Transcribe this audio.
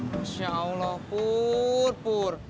masya allah pur